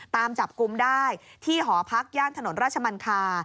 ตามจับกลุ่มได้ที่หอพักย่านถนนราชมันคา